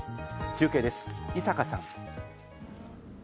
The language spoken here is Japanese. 中継です、井坂さん。